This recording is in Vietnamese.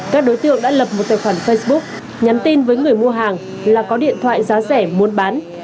các đối tượng đã lập một tài khoản facebook nhắn tin với người mua hàng là có điện thoại giá rẻ muốn bán